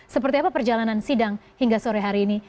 seperti apa perjalanan sidang hingga sore hari ini